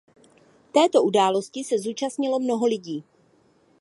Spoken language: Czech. Této události se zúčastnilo mnoho lidí.